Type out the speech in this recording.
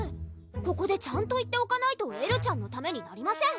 ここでちゃんと言っておかないとエルちゃんのためになりません